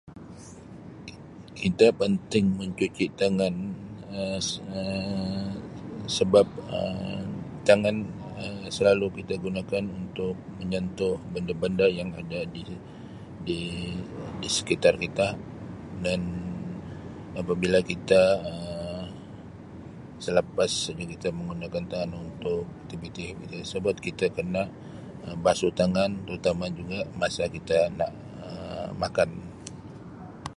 Ki-kita penting mencuci tangan Um s-[Um] sebab Um tangan Um selalu kita gunakan untuk menyentuh benda-benda yang ada di-di sekitar kita dan apabila kita Um salapas saja kita menggunakan tangan untuk aktibiti-aktibiti tersebut kita kena Um basuh tangan terutama juga masa kita nak Um makan.